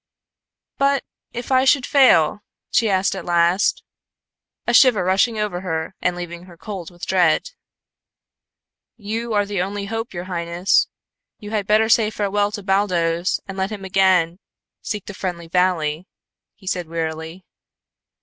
"But if I should fail?" she asked, at last, a shiver rushing over her and leaving her cold with dread. "You are the only hope, your highness. You had better say farewell to Baldos and let him again seek the friendly valley," said he wearily.